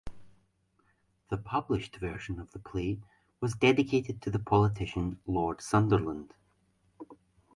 The published version of the play was dedicated to the politician Lord Sunderland.